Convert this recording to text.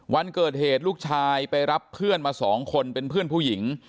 วันเกิดเหตุลูกชายไปรับเพื่อนมาสองคนเป็นเพื่อนผู้หญิง